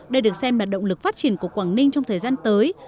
đây được xem là động lực phát triển của quảng ninh trong thời gian tới